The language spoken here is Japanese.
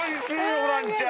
ホランちゃん。